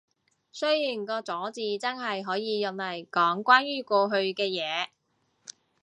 雖然個咗字真係可以用嚟講關於過去嘅嘢